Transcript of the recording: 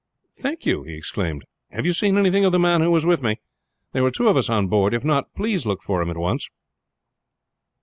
"Thank you!" he exclaimed. "Have you seen anything of the man who was with me? There were two of us on board. If not, please look for him at once."